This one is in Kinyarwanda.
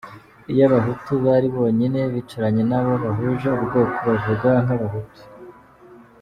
Iyo abahutu bari bonyine bicaranye n’abo bahuje ubwoko bavuga nk’abahutu.